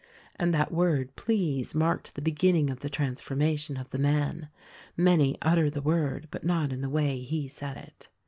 And that word please marked the beginning of the transformation of the man. Many utter the word, but not in the way he said it.